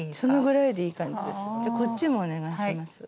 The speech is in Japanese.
じゃあこっちもお願いします。